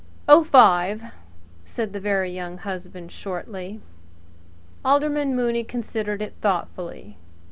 "Oh ten," said the Very Young Husband shortly. Alderman Mooney considered it thoughtfully.